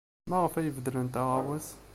Maɣef ay beddlent aɣawas?